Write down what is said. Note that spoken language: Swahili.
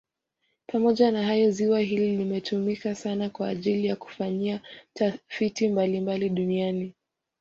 Pamoja na hayo ziwa hili limetumika sana kwa ajili ya kufanyia tafiti mbalimbali duniani